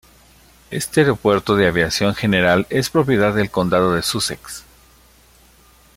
Este aeropuerto de aviación general es propiedad del condado de Sussex.